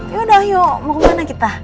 yaudah yuk mau ke mana kita